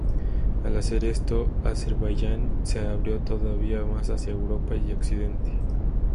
Al hacer esto, Azerbaiyán se abrió todavía más hacia Europa y Occidente.